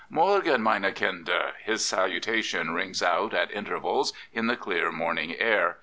" Morgen, meine Kinder." His salutation rings out at intervals in the clear morning air.